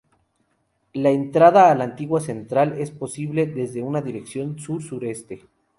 La entrada a la laguna central es posible desde una dirección sur-sureste.